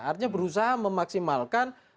artinya berusaha memaksimalkan